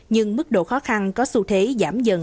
nhưng mức độ khó khăn có xu thế giảm dần